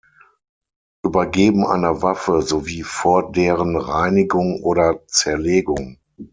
Übergeben einer Waffe sowie vor deren Reinigung oder Zerlegung.